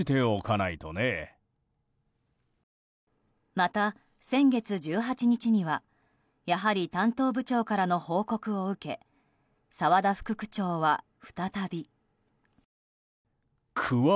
また先月１８日にはやはり担当部長からの報告を受け澤田副区長は再び。